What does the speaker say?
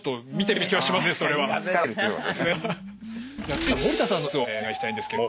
続いては森田さんの説をお願いしたいんですけれども。